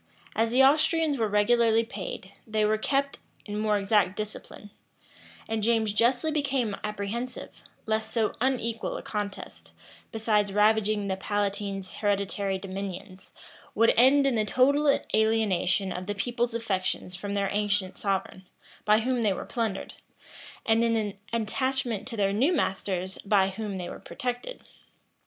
As the Austrians were regularly paid, they were kept in more exact discipline; and James justly became apprehensive, lest so unequal a contest, besides ravaging the palatine's hereditary dominions, would end in the total alienation of the people's affections from their ancient sovereign, by whom they were plundered, and in an attachment to their new masters, by whom they were protected.